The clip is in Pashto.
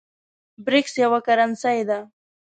برېکس یوه کرنسۍ ده